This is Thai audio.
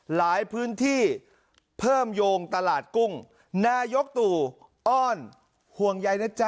หลายพื้นที่เพิ่มโยงตลาดกุ้งนายกตู่อ้อนห่วงใยนะจ๊ะ